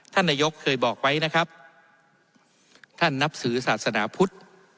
ท่านนายกเคยบอกไว้นะครับท่านนับถือศาสนาพุทธ